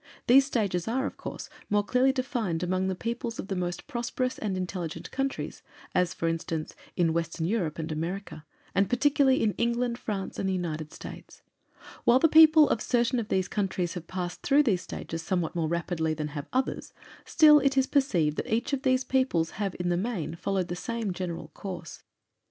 These stages are, of course, more clearly defined among the peoples of the most prosperous and intelligent countries, as for instance, in Western Europe and America, and particularly in England, France, and the United States. While the peoples of certain of these countries have passed through these stages somewhat more rapidly than have others, still it is perceived that each of these peoples have in the main followed the same general course.